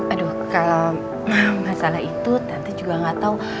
aduh kalau masalah itu tante juga gak tahu